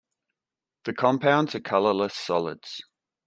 The compounds are colourless solids.